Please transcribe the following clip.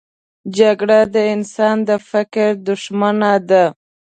جګړه د انسان د فکر دښمنه ده